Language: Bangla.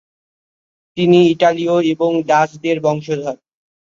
তিনি ইটালীয় এবং ডাচ্-দের বংশধর।